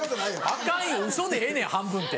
「ウソでええねん半分」って。